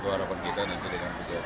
itu harapan kita nanti dengan kejadian ini